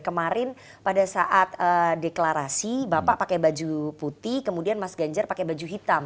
kemarin pada saat deklarasi bapak pakai baju putih kemudian mas ganjar pakai baju hitam